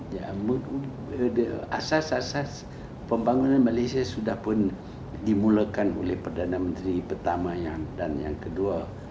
ya asas asas pembangunan malaysia sudah pun dimulakan oleh perdana menteri pertama dan yang kedua